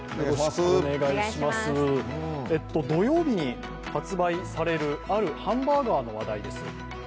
土曜日に発売されるあるハンバーガーの話題です。